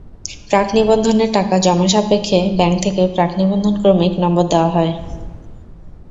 প্রাক-নিবন্ধনের টাকা জমা সাপেক্ষে ব্যাংক থেকে প্রাক-নিবন্ধন ক্রমিক নম্বর দেওয়া হয়।